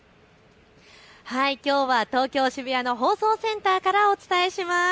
きょうは東京渋谷の放送センターからお伝えします。